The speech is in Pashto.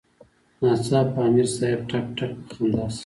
ناڅاپه امیر صېب ټق ټق پۀ خندا شۀ ـ